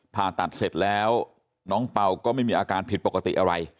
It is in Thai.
ผ่าตัดเสร็จแล้วน้องเปล่าก็ไม่มีอาการผิดปกติอะไร